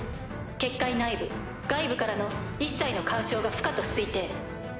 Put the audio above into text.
結界内部外部からの一切の干渉が不可と推定。